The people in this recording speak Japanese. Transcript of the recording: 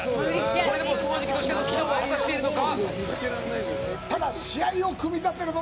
これでも掃除機としての機能は果たしているのか。